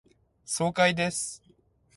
爽快です。